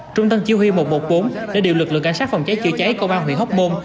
trung tâm chỉ huy một trăm một mươi bốn đã điều lực lượng cảnh sát phòng cháy chữa cháy công an huyện hóc môn